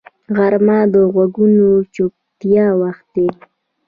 غرمه د غږونو چوپتیا وخت وي